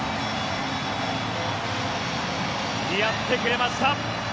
やってくれました。